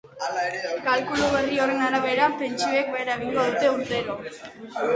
Kalkulu berri horren arabera, pentsioek behera egingo dute urtero.